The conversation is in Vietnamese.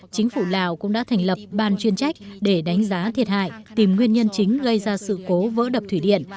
chính phủ lào cũng đã thành lập ban chuyên trách để đánh giá thiệt hại tìm nguyên nhân chính gây ra sự cố vỡ đập thủy điện